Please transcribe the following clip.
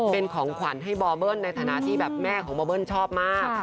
เป็นของขวัญให้บอร์เบิ้ลในฐานะที่แบบแม่ของบอเบิ้ลชอบมาก